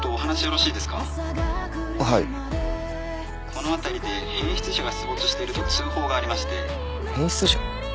☎この辺りで変質者が出没していると通報がありまして。変質者？